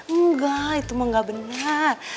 enggak itu mah gak benar